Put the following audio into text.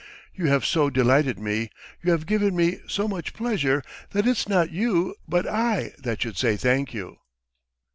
You have so delighted me, you have given me so much pleasure that it's not you but I that should say thank you!"